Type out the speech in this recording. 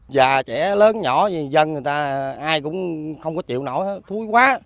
già trẻ lớn nhỏ dân người ta ai cũng không có chịu nổi thúi quá